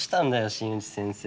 新内先生。